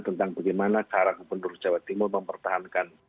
tentang bagaimana cara gubernur jawa timur mempertahankan